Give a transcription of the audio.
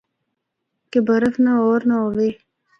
کہ برف نہ ہور نہ ہوّے۔